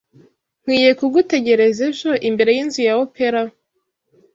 Nkwiye kugutegereza ejo imbere yinzu ya opera?